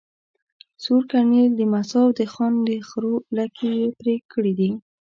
سور کرنېل د مساو د خان د خرو لکې ېې پرې کړي وه.